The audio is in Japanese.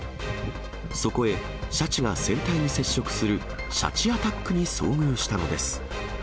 そこへシャチが船体に接触する、シャチ・アタックに遭遇したのです。